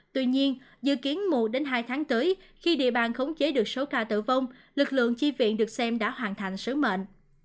tuy nhiên dự kiến mùa đến hai tháng tới khi địa bàn khống chế được số ca tử vong lực lượng chi viện được xem đã hoàn thành sứ mệnh